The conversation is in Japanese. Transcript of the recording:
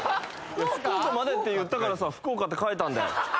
福岡までって言ったからさ福岡って書いたんだよ